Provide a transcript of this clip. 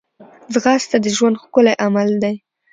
ځغاسته د ژوند ښکلی عمل دی